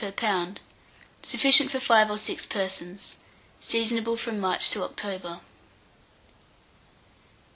per lb. Sufficient for 5 or 6 persons. Seasonable from March to October.